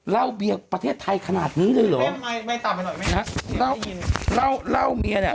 เล่าเบียงประเทศไทยขนาดนี้เลยหรอไม่ต่ำให้หน่อยไม่ใช่เล่าเล่าเล่าเบียงเนี้ย